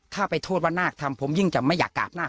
ถ้าไปโทษว่านาคทำผมยิ่งจะไม่อยากกราบนาค